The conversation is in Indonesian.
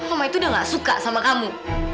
mama itu udah gak suka sama kamu